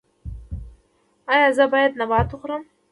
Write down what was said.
ایا زه باید نبات وخورم؟